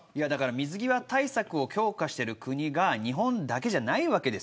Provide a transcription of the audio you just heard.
水際対策を強化している国が日本だけじゃないわけです。